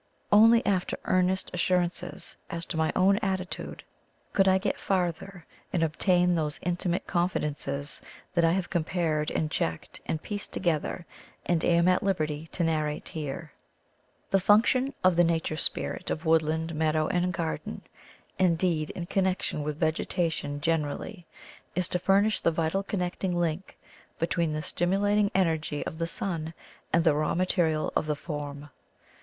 Only after earnest assurances as to my own attitude could I get farther and obtain those intimate confidences that I have compared and checked and pieced together and am at liberty to narrate here. *'The function of the nature spirit of woodland, meadow, and garden, indeed in connection with vegetation generally, is to furnish the vital connecting link between the stimulating energy of the sun and the raw material of the form.